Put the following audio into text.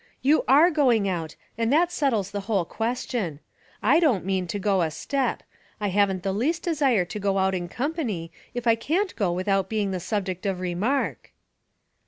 "You are going out, and that settles the whole question. I don't mean to go a step. I haven't the least desire to go out in company, if I can't go without being the subject of remark."